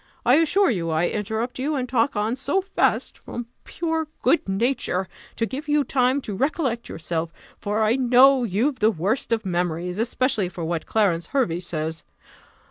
I assure you I interrupt you, and talk on so fast, from pure good nature, to give you time to recollect yourself; for I know you've the worst of memories, especially for what Clarence Hervey says.